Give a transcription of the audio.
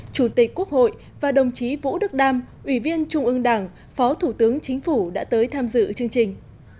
chủ tịch quốc hội và đồng chí vũ đức đam ủy viên trung ương đảng phó thủ tướng chính phủ đã tới tham dự chương trình